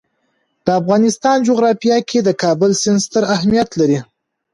د افغانستان جغرافیه کې د کابل سیند ستر اهمیت لري.